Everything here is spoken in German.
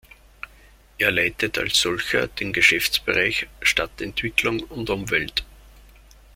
Er leitet als solcher den Geschäftsbereich Stadtentwicklung und Umwelt.